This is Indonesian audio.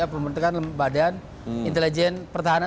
pembentukan badan intelijen pertahanan